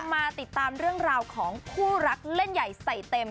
มาติดตามเรื่องราวของคู่รักเล่นใหญ่ใส่เต็ม